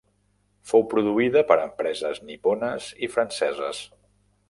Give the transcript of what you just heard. Fou produïda per empreses nipones i franceses.